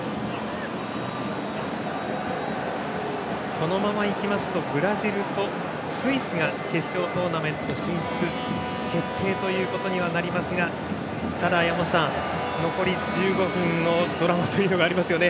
このままいくとブラジルとスイスが決勝トーナメント進出決定となりますがただ山本さん、残り１５分のドラマというのがありますよね。